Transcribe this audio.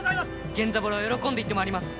源三郎喜んで行ってまいります。